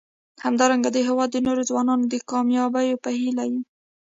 همدارنګه د هیواد د نورو ځوانانو د کامیابیو په هیله یو.